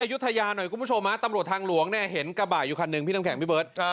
ยุธยาหน่อยคุณผู้ชมฮะตำรวจทางหลวงเนี่ยเห็นกระบะอยู่คันหนึ่งพี่น้ำแข็งพี่เบิร์ต